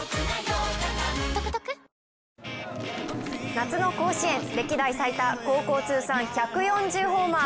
夏の甲子園歴代最多高校通算１４０ホーマー